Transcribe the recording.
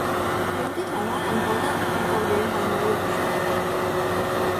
有啲台灣人覺得嗌國語係侮辱嚟